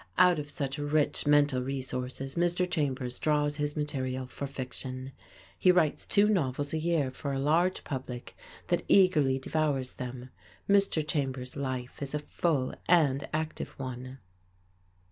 Out of such rich mental resources Mr. Chambers draws his material for fiction. He writes two novels a year for a large public that eagerly devours them. Mr. Chambers' life is a full and active one.